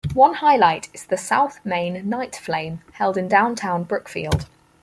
One highlight is the "South Main Night Flame", held in downtown Brookfield.